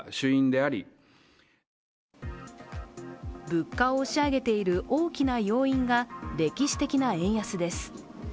物価を押し上げている大きな要因が歴史的な円安です。